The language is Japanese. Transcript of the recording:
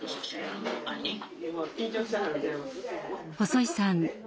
細井さん